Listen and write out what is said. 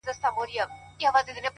پرون مي دومره اوښكي توى كړې گراني!!